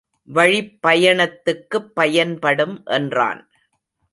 வழிப்பயணத்துக்குப் பயன்படும் என்றான்.